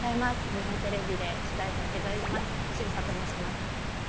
日本テレビで取材させていただきます、渋佐と申します。